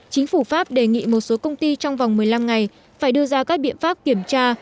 chính phủ pháp đề nghị một số công ty trong vòng một mươi năm ngày phải đưa ra các biện pháp kiểm tra